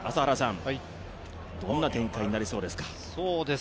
どんな展開になりそうですか？